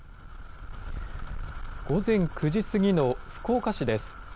午前９時過ぎの福岡市です。